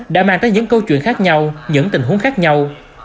đã mang tới những câu chuyện khác nhau những tình huống khác nhau